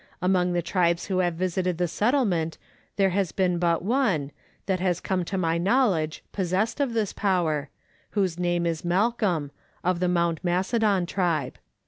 Among the tribes who have visited the settlement there has been but one, that has come to my knowledge, possessed of this power, whose name is Malcolm, of the Mount Macedon tribe.